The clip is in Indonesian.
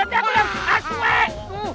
berarti aku yang asme